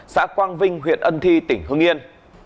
xã quang vinh huyện ân thi tỉnh hương yên